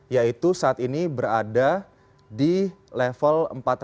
yaitu saat ini berada di level empat ratus enam puluh delapan satu ratus enam puluh